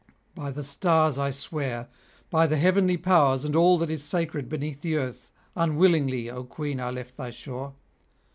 By the stars I swear, by the heavenly powers and all that is sacred beneath the earth, unwillingly, O queen, I left thy shore.